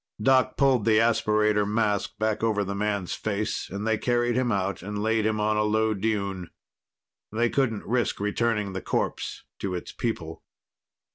Doc pulled the aspirator mask back over the man's face and they carried him out and laid him on a low dune. They couldn't risk returning the corpse to its people.